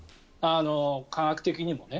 科学的にもね。